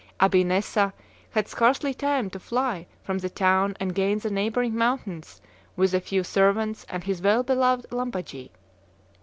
Abi Nessa, had scarcely time to fly from the town and gain the neighboring mountains with a few servants and his well beloved Lampagie.